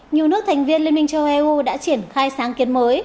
nhiều nước thành viên liên minh châu âu đã triển khai sáng kiến mới